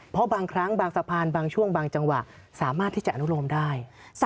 เพราะบางครั้งบางสะพานบางช่วงบางจังหวะสามารถที่จะอนุโลมได้